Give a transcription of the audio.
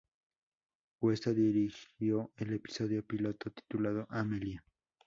Cuesta dirigió el episodio piloto titulado Amelia.